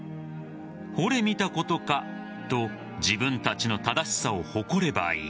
ほれ見たことかと自分たちの正しさを誇ればいい。